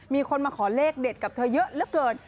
มีคนมาขอเลขเด็ดกับเธอเยอะเหลือเกิน